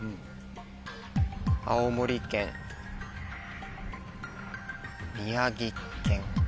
青森県宮城県。